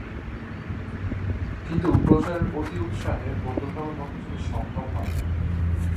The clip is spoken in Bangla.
কিন্তু প্রচারের অতি উৎসাহে বৌদ্ধধর্মের পক্ষে সেটি সম্ভব হয় নাই।